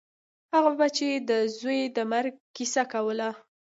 هغه به چې د زوى د مرګ کيسه کوله.